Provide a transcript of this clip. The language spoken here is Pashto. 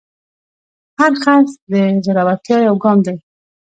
هر خرڅ د زړورتیا یو ګام دی.